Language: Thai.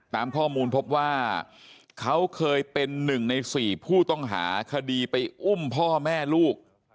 ตามข้อมูลพบว่าเขาเคยเป็น๑ใน๔ผู้ต้องหาคดีไปอุ้มพ่อแม่ลูก